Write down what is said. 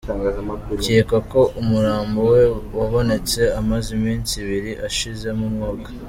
Bikekwa ko umurambo we wabonetse amaze iminsi ibiri ashizemo umwuka.